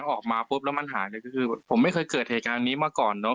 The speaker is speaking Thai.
ออกมาปุ๊บแล้วมันหายก็คือผมไม่เคยเกิดเหตุการณ์นี้มาก่อนเนอะ